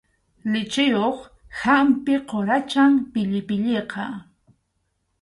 Lichiyuq hampi quracham pillipilliqa.